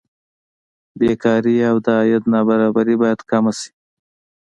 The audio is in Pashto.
بېکاري او د عاید نابرابري باید کمه شي.